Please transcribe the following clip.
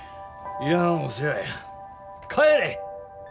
いらんお世話や帰れ！